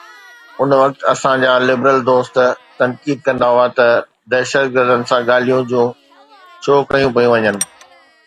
ان وقت اسان جا لبرل دوست تنقيد ڪندا هئا ته دهشتگردن سان ڳالهيون ڇو ڪيون پيون وڃن؟